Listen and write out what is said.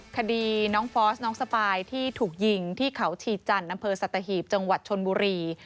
คดีน้องฟอสน้องสปายที่ถูกยิงที่เขาชีจันทร์อำเภอสัตหีบจังหวัดชนบุรี